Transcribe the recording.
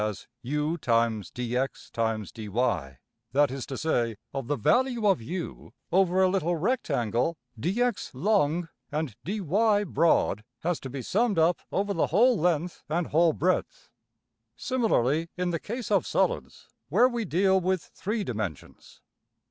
png}% elements as $u · dx · dy$ (that is to say, of the value of~$u$ over a little rectangle $dx$~long and $dy$~broad) has to be summed up over the whole length and whole breadth. Similarly in the case of solids, where we deal with three dimensions.